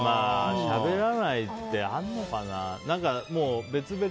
しゃべらないってあるのかな。